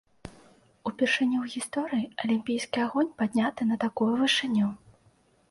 Упершыню ў гісторыі алімпійскі агонь падняты на такую вышыню.